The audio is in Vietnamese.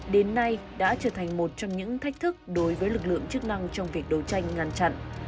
đến nay đã trở thành một trong những thách thức đối với lực lượng chức năng trong việc đấu tranh ngăn chặn